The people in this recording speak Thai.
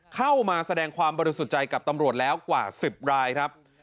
เข้ามาแสดงความบริสุทธิ์ใจกับตำรวจแล้วกว่า๑๐รายครับ